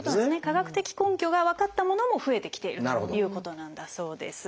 科学的根拠が分かったものも増えてきているということなんだそうです。